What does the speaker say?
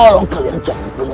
jangan pernah diberi ampun